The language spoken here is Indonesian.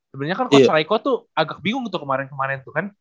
sebenernya coach raico tuh agak bingung tuh kemarin kemarin tuh kan